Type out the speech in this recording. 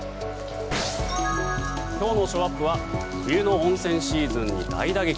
今日のショーアップは冬の温泉シーズンに大打撃。